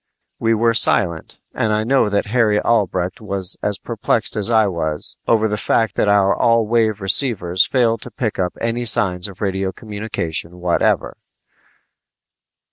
We were silent, and I know that Harry Albrecht was as perplexed as I was over the fact that our all wave receivers failed to pick up any signs of radio communication whatever.